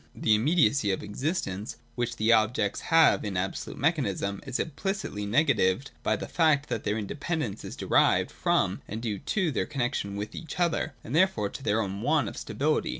199.] The immediacy of existence, which the objects have in Absolute Mechanism, is implicitly negatived by the fact that their independence is derived from, and due to, their connexions with each other, and therefore to 199, 200 ] CHEMISM. 341 their own want of stability.